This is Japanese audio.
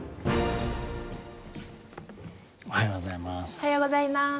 おはようございます。